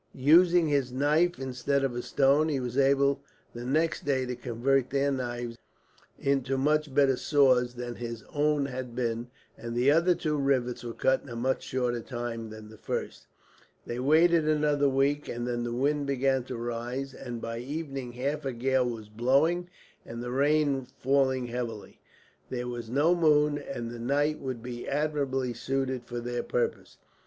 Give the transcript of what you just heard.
Using his knife instead of a stone, he was able the next day to convert their knives into much better saws than his own had been; and the other two rivets were cut in a much shorter time than the first. They waited another week and then the wind began to rise, and by evening half a gale was blowing, and the rain falling heavily. There was no moon, and the night would be admirably suited for their purpose.